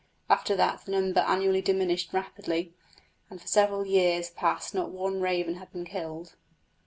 After that the number annually diminished rapidly, and for several years past not one raven had been killed.